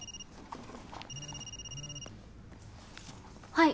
はい。